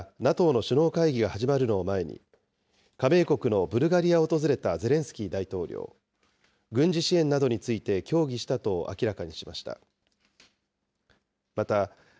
一方、１１日からＮＡＴＯの首脳会議が始まるのを前に、加盟国のブルガリアを訪れたゼレンスキー大統領。軍事支援などについて協議したと明らかにしました。